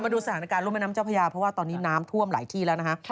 ดูสถานการณ์รุ่มแม่น้ำเจ้าพญาเพราะว่าตอนนี้น้ำท่วมหลายที่แล้วนะฮะ